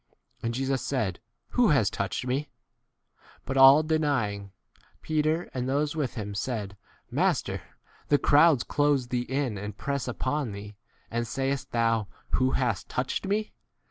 And Jesus said, Who has touched me ? But all denying, Peter and those with him said, Master, the crowds close thee in and press upon thee, and sayest thou, Who has touch 48 ed me